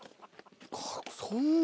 そんな。